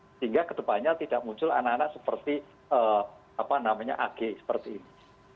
sehingga kedepannya tidak muncul anak anak seperti ag seperti ini